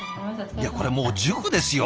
いやこれもう塾ですよ。